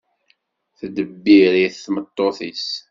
Teddebbir-it tmeṭṭut-is.